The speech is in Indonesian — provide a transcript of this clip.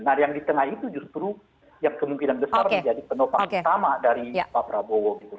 nah yang di tengah itu justru yang kemungkinan besar menjadi penopang utama dari pak prabowo gitu